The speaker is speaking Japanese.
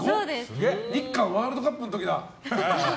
日韓ワールドカップの時だ！